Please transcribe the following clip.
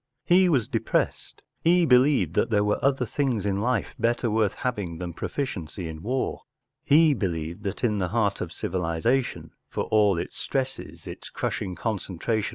... He was depressed. He believed that there were other things in life better worth having than proficiency in war; he believed that in the heart of civilization, for all its stresses, its crushing concentrations